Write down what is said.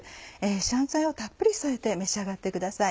香菜をたっぷり添えて召し上がってください。